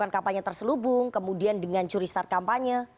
kampanye terselubung kemudian dengan curi start kampanye